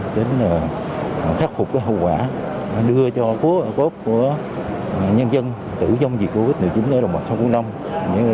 đến khắc phục cái hậu quả đưa cho cốt của nhân dân tử vong dịch covid một mươi chín ở đồng bạc sông cô nông